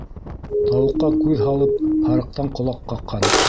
Тауыҡҡа күҙ һалып, һарыҡтан ҡолаҡ ҡаҡҡан.